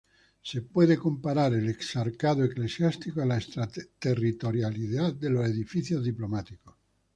Se puede comparar el exarcado eclesiástico a la extraterritorialidad de los edificios diplomáticos.